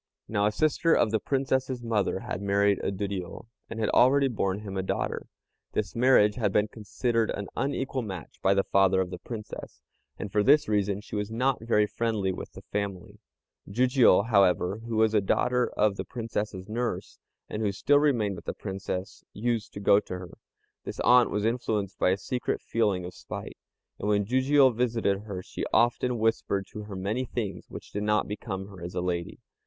Now a sister of the Princess's mother had married a Duriô, and had already borne him a daughter. This marriage had been considered an unequal match by the father of the Princess, and for this reason she was not very friendly with the family. Jijiû, however, who was a daughter of the Princess's nurse, and who still remained with the Princess, used to go to her. This aunt was influenced by a secret feeling of spite, and when Jijiû visited her she often whispered to her many things which did not become her as a lady.